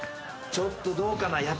ちょっとどうかな？